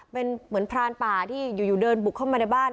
เป็นเหมือนพรานป่าที่อยู่เดินบุกเข้ามาในบ้าน